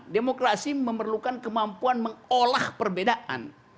demokrasi memerlukan kemampuan mengolah perbedaan